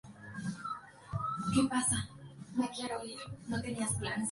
En No Surrender, Williams derrotó a Sabu y Styles a Tommy Dreamer.